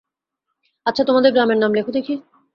আচ্ছা, তোমাদের গ্রামের নাম লেখো দেখি।